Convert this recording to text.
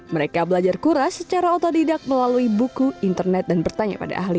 mereka belajar kuras secara otodidak melalui buku internet dan bertanya pada ahli